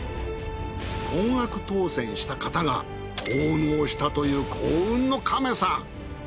高額当選した方が奉納したという幸運の亀さん。